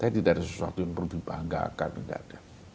saya tidak ada sesuatu yang perlu dibanggakan tidak ada